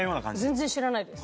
全然知らないです。